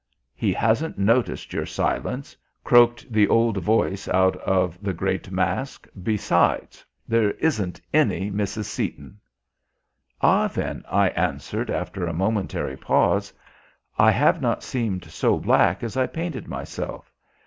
"He hasn't noticed your silence," croaked the old voice out of the great mask; "besides, there isn't any Mrs. Seaton." "Ah, then," I answered, after a momentary pause, "I have not seemed so black as I painted myself!